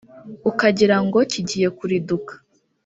ukagira ngo kigiye kuriduka